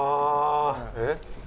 えっ？